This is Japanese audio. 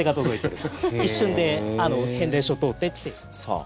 一瞬で変電所を通って来てます。